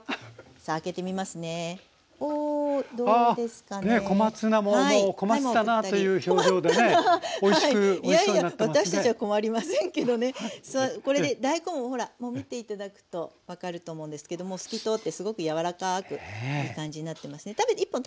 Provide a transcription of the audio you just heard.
さあこれで大根もほらもう見て頂くと分かると思うんですけども透き通ってすごく柔らかくいい感じになってますね。